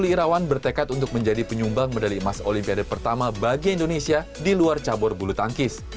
irawan bertekad untuk menjadi penyumbang medali emas olimpiade pertama bagi indonesia di luar cabur bulu tangkis